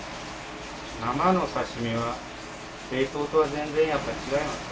生の刺身は冷凍とは全然やっぱ違いますよ。